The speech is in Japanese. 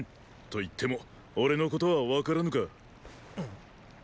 と言っても俺のことは分からぬか。